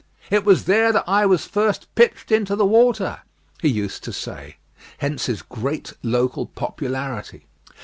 "It was there that I was first pitched into the water," he used to say; hence his great local popularity.